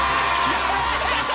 やった！